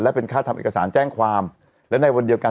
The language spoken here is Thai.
และเป็นค่าทำเอกสารแจ้งความและในวันเดียวกัน